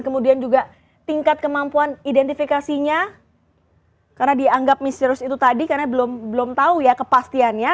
kemudian juga tingkat kemampuan identifikasinya karena dianggap misterius itu tadi karena belum tahu ya kepastiannya